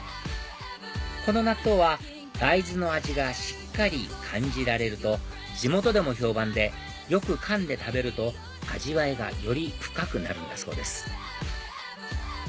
この納豆は大豆の味がしっかり感じられると地元でも評判でよくかんで食べると味わいがより深くなるんだそうです